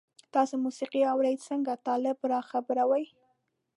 تاسو موسیقی اورئ؟ څنګه، طالبان را خبروئ